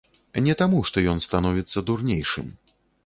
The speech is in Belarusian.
Не таму што ён становіцца дурнейшым.